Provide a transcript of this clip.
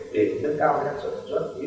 để nâng cao năng sản xuất như là nâng cao hóa